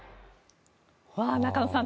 中野さん